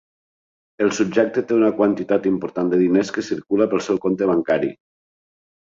El subjecte té una quantitat important de diners que circula pel seu compte bancari.